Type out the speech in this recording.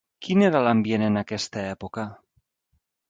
Quin era l'ambient en aquesta època?